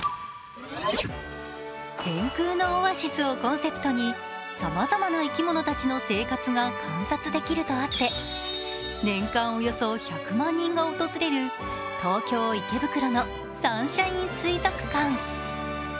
「天空のオアシス」をコンセプトにさまざまな生き物たちの生活が観察できるとあって年間およそ１００万人が訪れる東京・池袋のサンシャイン水族館。